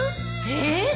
えっ！？